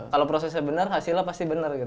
kalo prosesnya benar hasilnya pasti benar